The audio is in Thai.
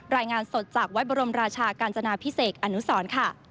รายงานสดจากวัดบรมราชากาญจนาพิเศษอนุสรค่ะ